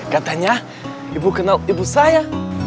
katanya ibu kenal ibu saya